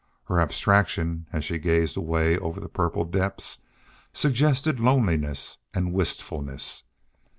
Her abstraction, as she gazed away over the purple depths suggested loneliness and wistfulness.